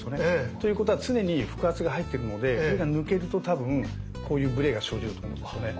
ということは常に腹圧が入っているのでこれが抜けると多分こういうブレが生じると思うんですよね。